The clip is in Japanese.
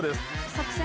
作戦？